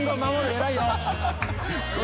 偉いよ。